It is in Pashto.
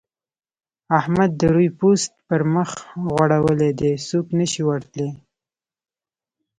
احمد د روې پوست پر مخ غوړولی دی؛ څوک نه شي ور تلای.